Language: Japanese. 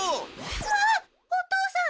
あっお父さん！